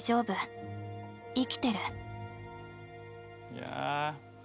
いや。